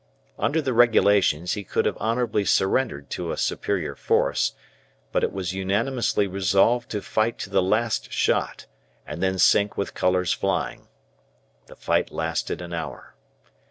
Under the regulations he could have honourably surrendered to a superior force, but it was unanimously resolved to fight to the last shot, and then sink with colours flying. The fight lasted an hour.